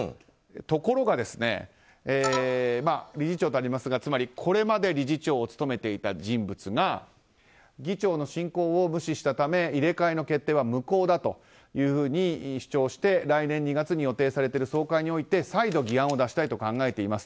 ところがところがこれまで理事長を務めていた人物が議長の進行を無視したので入れ替えの決定は無効だと主張して来年２月に予定されている総会において再度議案を出したいと考えています。